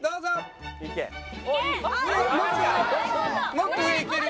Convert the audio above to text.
もっと上いける。